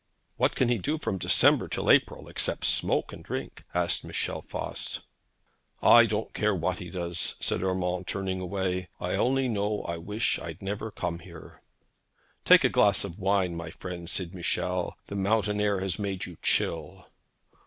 'What can he do from December till April except smoke and drink?' asked Michel Voss. 'I don't care what he does,' said Urmand, turning away. 'I only know I wish I'd never come here.' 'Take a glass of wine, my friend,' said Michel. 'The mountain air has made you chill.'